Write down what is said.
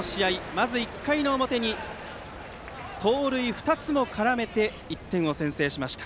まず１回の表に盗塁２つを絡めて１点を先制しました。